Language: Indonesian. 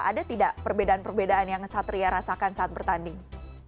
ada tidak perbedaan perbedaan yang satria rasakan saat bertanding